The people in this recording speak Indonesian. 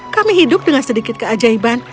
kami hidup dengan sedikit keajaiban